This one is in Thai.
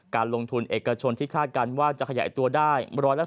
การลงทุนเอกชนที่คาดการณ์ว่าจะขยายตัวได้๑๓